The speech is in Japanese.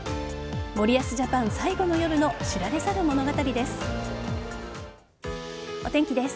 森保ジャパン最後の夜の知られざる物語です。